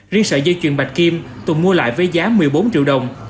riêng sợi dây chuyền bạch kim tùng mua lại với giá một mươi bốn triệu đồng